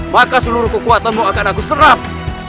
maka seluruh kekuatanmu akan aku serap